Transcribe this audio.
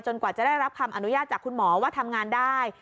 กว่าจะได้รับคำอนุญาตจากคุณหมอว่าทำงานได้